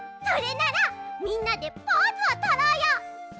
それならみんなでポーズをとろうよ！